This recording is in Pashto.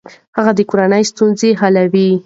هغه د کورنۍ ستونزې حلوي.